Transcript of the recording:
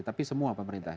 tapi semua pemerintah